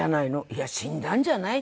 「いや死んだんじゃない？」。